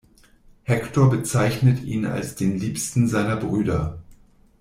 Hektor bezeichnet ihn als den „liebsten“ seiner Brüder.